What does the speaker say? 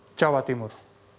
surabaya jawa timur